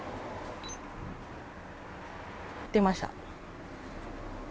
出ました。